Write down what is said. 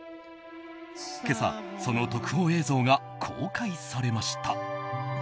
今朝、その特報映像が公開されました。